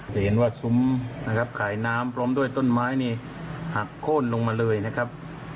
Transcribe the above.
จะเห็นว่าซุ้มนะครับขายน้ำพร้อมด้วยต้นไม้นี่หักโค้นลงมาเลยนะครับ